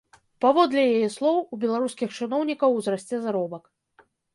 Паводле яе слоў, у беларускіх чыноўнікаў узрасце заробак.